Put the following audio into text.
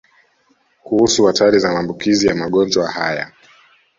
Kuhusu hatari za maambukizi ya magonjwa haya